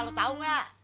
lo tau gak